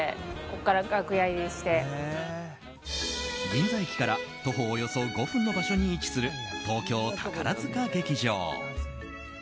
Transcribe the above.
銀座駅から徒歩およそ５分の場所に位置する東京宝塚劇場。